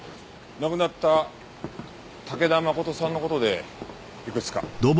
亡くなった武田誠さんの事でいくつか。